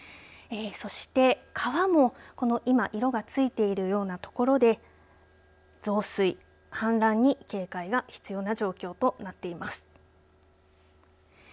そして川も今色がついているようなところで増水、氾濫に警戒が必要な状況となっています。